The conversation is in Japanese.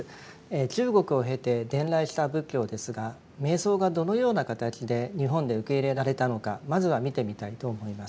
中国を経て伝来した仏教ですが瞑想がどのような形で日本で受け入れられたのかまずは見てみたいと思います。